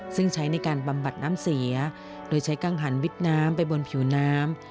ซึ่งใช้ในการบำบัดน้ำเสียโดยใช้กังหันวิดน้ำไปบนผิวน้ำ